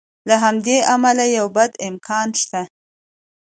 له همدې امله یو بد امکان شته.